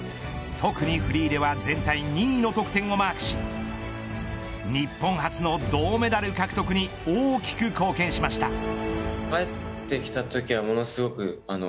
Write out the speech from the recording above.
特にフリーでは全体２位の得点をマークし日本初の銅メダル獲得に大きく貢献しました。